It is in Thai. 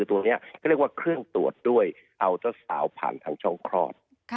ว่าเครื่องตรวจด้วยเอาเจ้าสาวผ่านทางช่องครอบ